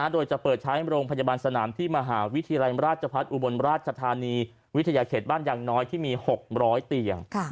โดยจะเปิดใช้โรงพยาบาลสนามที่มหาวิทยาลัยราชพัฒน์อุบลราชธานีวิทยาเขตบ้านยังน้อยที่มี๖๐๐เตียง